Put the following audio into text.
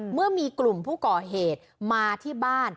เมื่อมีกลุ่มผู้ก่อเหตุมาที่บ้าน